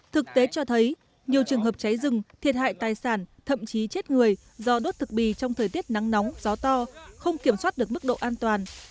thực tế cho thấy nhiều trường hợp cháy rừng thiệt hại tài sản thậm chí chết người do đốt thực bì trong thời tiết nắng nóng gió to không kiểm soát được mức độ an toàn